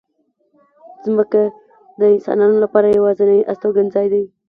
مځکه د انسانانو لپاره یوازینۍ استوګنځای دی.